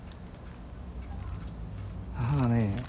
母がね